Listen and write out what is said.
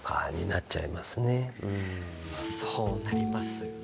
そうなりますよね。